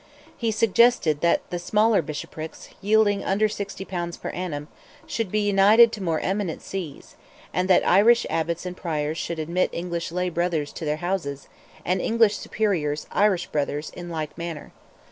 He suggested that the smaller Bishoprics, yielding under sixty pounds per annum, should be united to more eminent sees, and that Irish Abbots and Priors should admit English lay brothers to their houses, and English Superiors Irish brothers, in like manner.